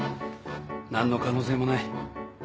何の可能性もない